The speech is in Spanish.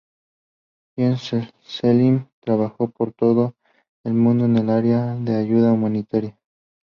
Jean-Selim trabajó por todo el mundo en el área de ayuda humanitaria.